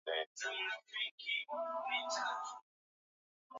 Ameweza kuifanya staili ya muziki wa Rege kuwa maarufu sana duniani